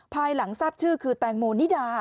ภายหลังทราบชื่อคือแตงโมนิดา